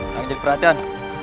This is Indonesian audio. jangan jatuh perhatian